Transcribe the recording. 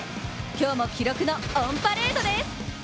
今日も記録のオンパレードです。